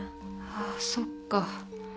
あーそっか